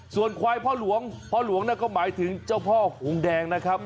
ส่วนควายพ่อหลวงพ่อหลวงนั่นก็หมายถึงเจ้าพ่อหงแดงนะครับ